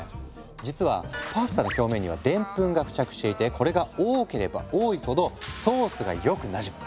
実はパスタの表面にはでんぷんが付着していてこれが多ければ多いほどソースがよくなじむ。